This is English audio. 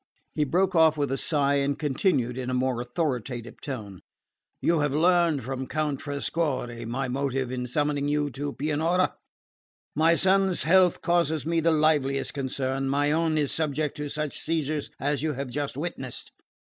He broke off with a sigh and continued in a more authoritative tone: "You have learned from Count Trescorre my motive in summoning you to Pianura. My son's health causes me the liveliest concern, my own is subject to such seizures as you have just witnessed.